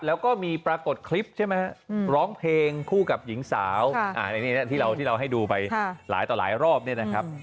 แล้วก็มีปรากฏคลิปใช่ไหมฮะร้องเพลงคู่กับหญิงสาวที่เราให้ดูไปหลายต่อหลายรอบเนี่ยนะครับ